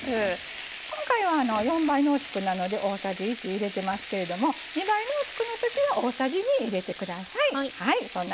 今回は４倍濃縮なので大さじ１入れてますけど２倍濃縮のときは大さじ２入れてください。